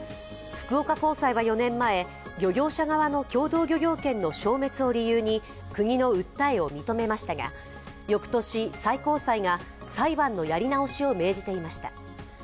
福岡高裁は４年前、漁業者側の共同漁協権の消滅を理由に、国の訴えを認めましたが、翌年、最高裁が裁判のやり直しを命じていました。